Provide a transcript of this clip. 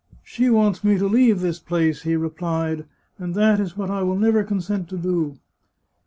" She wants me to leave this place," he replied, " and that is what I will never consent to do."